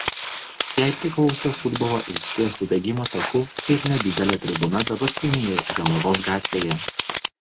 Jai priklausė futbolo aikštė su bėgimo taku ir nedidele tribūna dabartinėje Jonavos gatvėje.